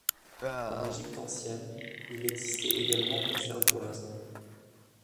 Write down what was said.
En Égypte ancienne, il existait également une cervoise.